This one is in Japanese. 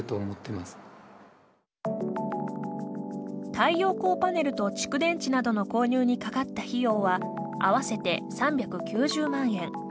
太陽光パネルと蓄電池などの購入にかかった費用は合わせて３９０万円。